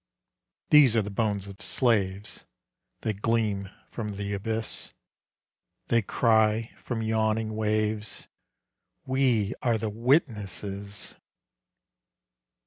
These are the bones of Slaves; They gleam from the abyss; They cry, from yawning waves, "We are the Witnesses!"